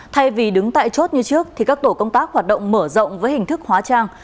thay vì đứng tại chốt như trước thì các tổ công tác hoạt động mở rộng với hình thức hóa trang